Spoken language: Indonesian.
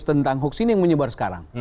tentang hoax ini yang menyebar sekarang